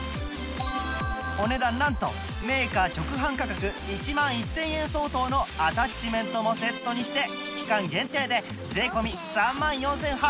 お値段なんとメーカー直販価格１万１０００円相当のアタッチメントもセットにして期間限定で税込３万４８００円